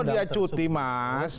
kalau dia cuti mas